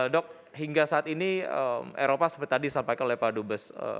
dok hingga saat ini eropa seperti tadi sampai ke lepadu bus